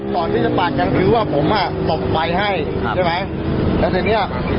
ตอนที่สปาร์ทจังคือว่าผมอ่ะตกไฟให้ใช่ไหมแล้วทีนี้อ่ะ